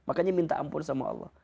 makanya minta ampun sama allah